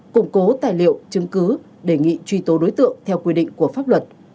củng cố tài liệu chứng cứ đề nghị truy tố đối tượng theo quy định của pháp luật